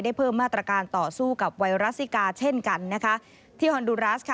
ได้เพิ่มมาตรการต่อสู้กับไวรัสซิกาเช่นกันที่ฮอนดูลรัส